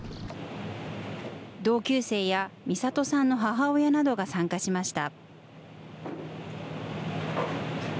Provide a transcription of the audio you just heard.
同級生やみさとさんの母親などが参加しました。